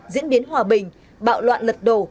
diễn biến hòa bình bạo loạn lật đổ